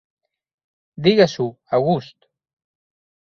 Digues-ho, August.